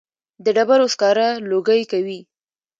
د ډبرو سکاره لوګی کوي